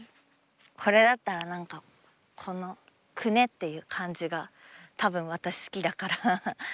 これだったら何かこのくねっていう感じがたぶん私好きだから。